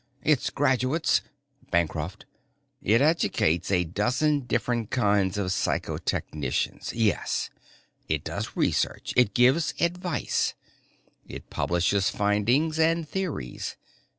Its graduates " Bancroft: "It educates a dozen different kinds of psychotechnicians, yes. It does research. It gives advice. It publishes findings and theories.